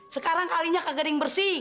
sekarang kalinya kegeding bersih